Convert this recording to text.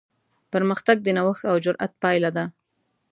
پرمختګ د نوښت او جرات پایله ده.